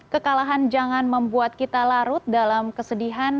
kekalahan jangan membuat kita larut dalam kesedihan